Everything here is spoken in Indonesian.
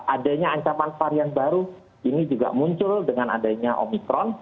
adanya ancaman varian baru ini juga muncul dengan adanya omikron